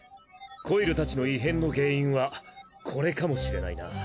コイルたちの異変の原因はこれかもしれないな。